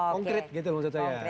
konkret gitu maksud saya